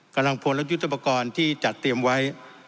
กำลังพลและยุทธปกรณ์ที่จัดเตรียมไว้